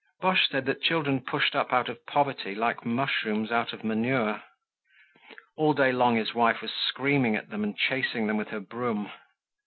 Boche said that children pushed up out of poverty like mushrooms out of manure. All day long his wife was screaming at them and chasing them with her broom.